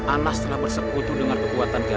anas telah bersekutu dengan kekuatan gas